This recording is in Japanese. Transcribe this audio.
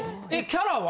キャラは？